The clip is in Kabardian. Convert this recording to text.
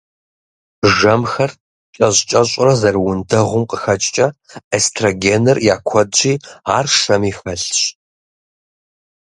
Жэмхэр кӀэщӀ-кӀэщӀурэ зэрыуэндэгъум къыхэкӀкӀэ, эстрогеныр я куэдщи, ар шэми хэлъщ.